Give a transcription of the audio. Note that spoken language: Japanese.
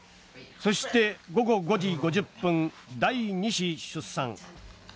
そして午後５時５０分第２子出産。